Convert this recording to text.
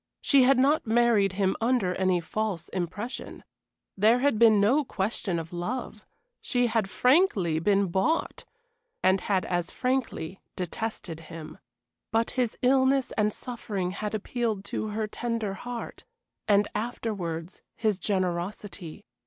She had not married him under any false impression. There had been no question of love she had frankly been bought, and had as frankly detested him. But his illness and suffering had appealed to her tender heart and afterwards his generosity.